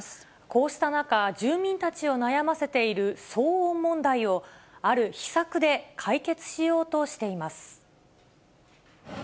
こうした中、住民たちを悩ませている騒音問題を、ある秘策で解決しようとしています。